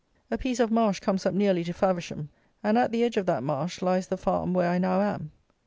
A piece of marsh comes up nearly to Faversham; and, at the edge of that marsh lies the farm where I now am.